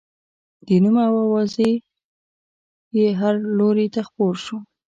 د نوم او اوازې یې هر لوري ته خپور شو.